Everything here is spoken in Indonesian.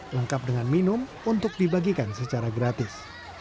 lengkap dengan minum untuk dibagikan secara gratis